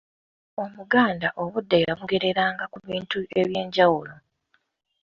Omuganda obudde yabugereranga ku bintu eby'enjawulo.